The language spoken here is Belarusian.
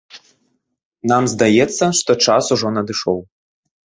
Нам здаецца, што час ужо надышоў.